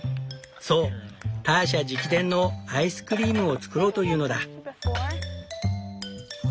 そうターシャ直伝のアイスクリームを作ろうというのだ。